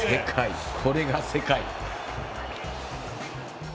これが世界。